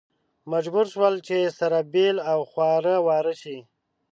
مجبور شول چې سره بېل او خواره واره شي.